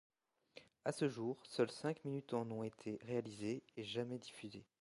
À ce jour, seules cinq minutes en ont été réalisées et jamais diffusées.